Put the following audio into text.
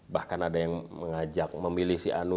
bahkan ada yang mengajak memilih si anu